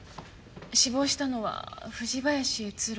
死亡したのは藤林悦郎。